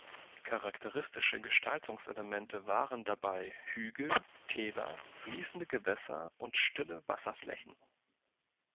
Charakteristische Gestaltungselemente waren dabei Hügel, Täler, fließende Gewässer und stille Wasserflächen.